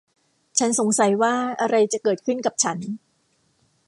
ฉันสงสัยว่าอะไรจะเกิดขึ้นกับฉัน !